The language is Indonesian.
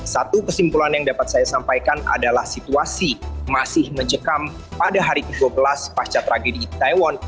satu kesimpulan yang dapat saya sampaikan adalah situasi masih mencekam pada hari ke dua belas pasca tragedi itaewon